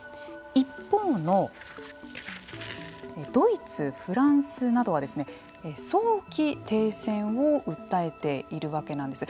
一方のドイツ、フランスなどは早期停戦を訴えているわけなんです。